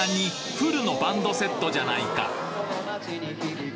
フルのバンドセットじゃないか！